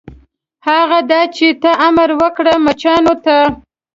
هغه دا چې ته امر وکړه مچانو ته.